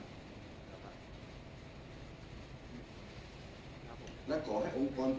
และขอให้องค์กร